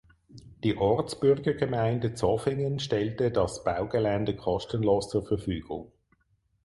Die Ortsbürgergemeinde Zofingen stellte das Baugelände kostenlos zur Verfügung.